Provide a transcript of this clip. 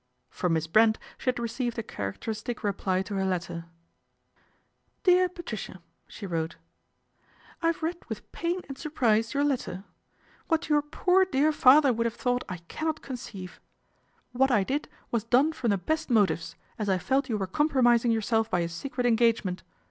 From Miss Brent she had received a character istic reply to her letter. PATRICIA'S INCONSTANCY 235 " DEAR PATRICIA," she wrote, " I have read with pain and surprise your letter. What your poor dear father would have thought I cannot conceive. " What I did was done from the best motives, as I felt you were compromising yourself by a secret engagement.